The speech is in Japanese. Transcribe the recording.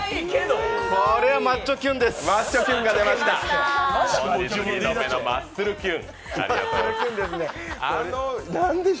これはマッチョきゅんです。